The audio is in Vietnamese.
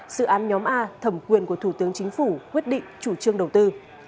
dự án nhóm a thẩm quyền của thủ tướng chính phủ quyết định chủ trương đầu tư